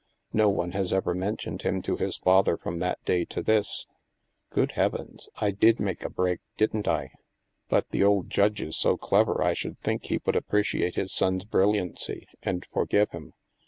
No one has ever mentioned him to his father from that day to this." " Good heavens ! I did make a break, didn't I. But the old Judge is so clever I should think he would appreciate his son's brilliancy and forgive him.